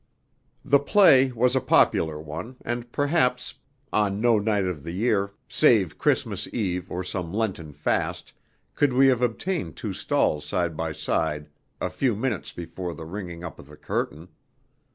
The play was a popular one, and perhaps on no night of the year, save Christmas Eve or some Lenten fast, could we have obtained two stalls side by side a few minutes before the ringing up of the curtain.